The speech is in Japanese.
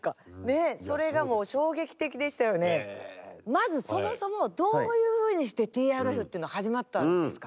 まずそもそもどういうふうにしてＴＲＦっていうのは始まったんですか？